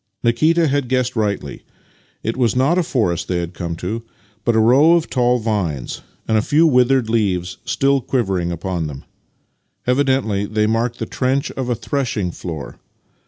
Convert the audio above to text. Nikita had guessed rightly. It was not a forest they had come to, but a row of tall vines, v/ith a few withered leaves still quivering upon them. Evidently they marked the trench of a threshing floor.